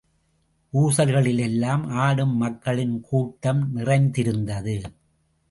ஊசல்களிலெல்லாம் ஆடும் மக்களின் கூட்டம் நிறைந்திருந்தது.